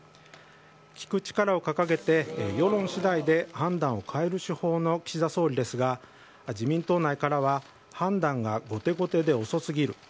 聞く力を掲げて世論次第で判断を変える手法の岸田総理ですが自民党内からは判断が後手後手で遅すぎる。